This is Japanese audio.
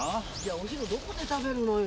お昼どこで食べるのよ？